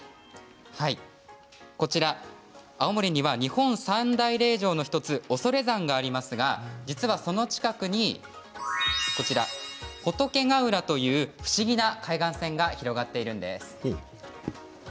青森には日本三大霊場の１つ恐山がありますが実はその近くに仏ヶ浦という不思議な海岸線が広がっているんです。